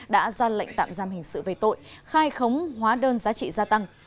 đã ra lệnh tạm giam hình sự về tội khai khống hóa đơn giá trị gia tăng